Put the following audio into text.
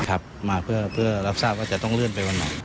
มาเพื่อรับทราบว่าจะต้องเลื่อนไปวันไหน